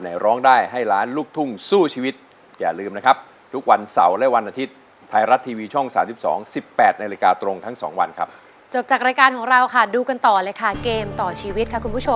ไหนร้องได้ให้ล้านลูกทุ่งสู้ชีวิต